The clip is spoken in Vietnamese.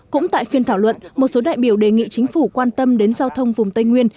cũng tại phiên thảo luận một số đại biểu đề nghị chính phủ quan tâm đến giao thông vùng tây nguyên